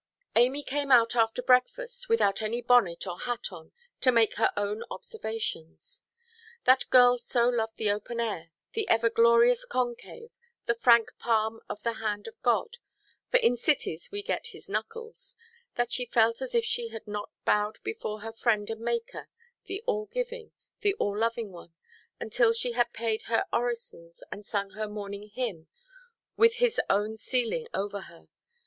Amy came out after breakfast, without any bonnet or hat on, to make her own observations. That girl so loved the open air, the ever glorious concave, the frank palm of the hand of God—for in cities we get His knuckles—that she felt as if she had not bowed before her Friend and Maker, the all–giving, the all–loving One, until she had paid her orisons and sung her morning hymn with His own ceiling over her.